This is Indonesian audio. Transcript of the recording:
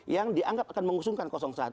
yang dianggap akan mengusungkan satu